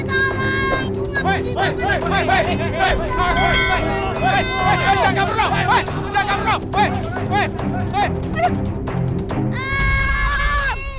saya pengen royal